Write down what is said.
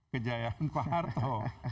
kejayaan pak soeharto